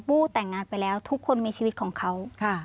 แต่งงานไปแล้วทุกคนมีชีวิตของเขา